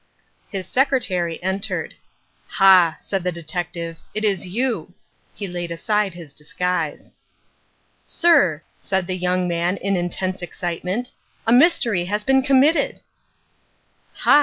His secretary entered. "Ha," said the detective, "it is you!" He laid aside his disguise. "Sir," said the young man in intense excitement, "a mystery has been committed!" "Ha!"